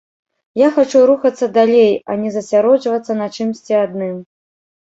Я хачу рухацца далей, а не засяроджвацца на чымсьці адным.